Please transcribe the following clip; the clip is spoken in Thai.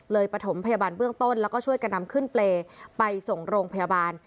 ปฐมพยาบาลเบื้องต้นแล้วก็ช่วยกันนำขึ้นเปรย์ไปส่งโรงพยาบาล